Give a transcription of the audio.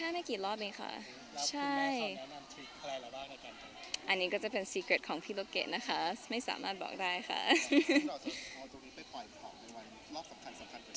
แล้วตอนนี้จะไปปล่อยของในวันรอบสำคัญสำคัญของมัน